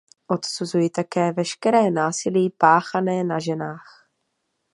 Odsuzuji také veškeré násilí páchané na ženách.